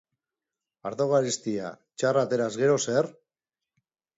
Ardo garestia txarra ateraz gero, zer?